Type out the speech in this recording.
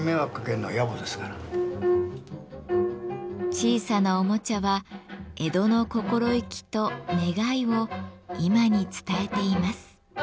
小さなおもちゃは江戸の心意気と願いを今に伝えています。